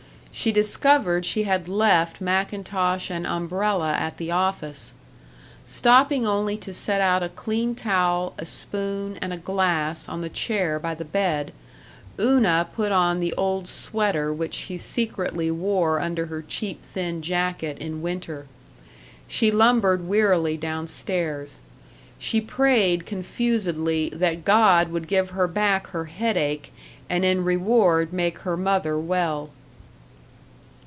She discovered she had left mackintosh and umbrella at the office. Stopping only to set out a clean towel, a spoon, and a glass on the chair by the bed, Una put on the old sweater which she secretly wore under her cheap thin jacket in winter. She lumbered wearily down stairs. She prayed confusedly that God would give her back her headache and in reward make her mother well.